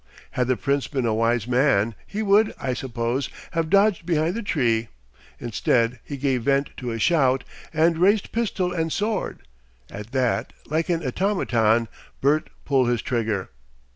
Had the Prince been a wise man he would, I suppose, have dodged behind the tree. Instead, he gave vent to a shout, and raised pistol and sword. At that, like an automaton, Bert pulled his trigger.